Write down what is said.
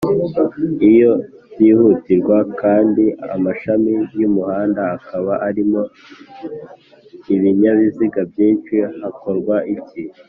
iyo byihutirwa kandi amashami y’umuhanda akaba arimo Ibinyabiziga byinshi hakorwa iki